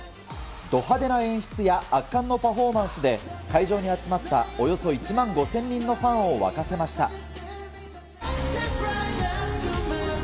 ど派手な演出や圧巻のパフォーマンスで、会場に集まったおよそ１万５０００人のファンを沸かせました。